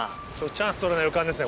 チャンス到来の予感ですね。